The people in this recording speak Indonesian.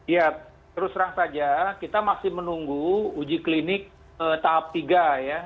ya terus terang saja kita masih menunggu uji klinik tahap tiga ya